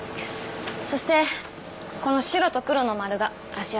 そしてこの白と黒の丸が足跡ですね。